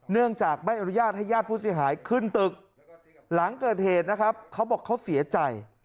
เนื่องจากไม่อนุญาตให้ญาติผู้เสียหายขึ้นตึกหลังเกิดเหตุนะครับเขาบอกเขาเสียใจ